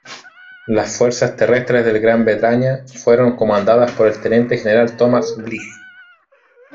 Las fuerzas terrestres de Gran Bretaña fueron comandadas por el teniente general Thomas Bligh.